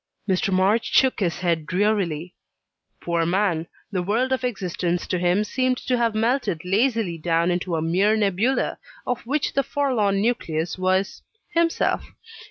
Mr. March shook his head drearily. Poor man! the world of existence to him seemed to have melted lazily down into a mere nebula, of which the forlorn nucleus was himself.